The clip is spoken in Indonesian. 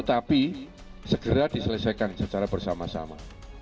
tapi segera diselesaikan secara bersama sama